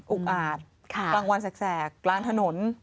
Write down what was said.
อุ๊บอาดกลางวันแสกกลางถนน